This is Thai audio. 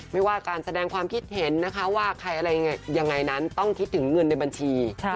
ไม่ว่าการแสดงความคิดเห็นนะคะว่าใครอะไรยังไงนั้นต้องคิดถึงเงินในบัญชี